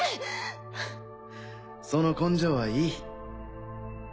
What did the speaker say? フッその根性はいい。